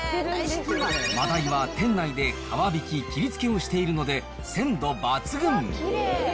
まだいは店内で皮引き、切り付けをしているので、鮮度抜群。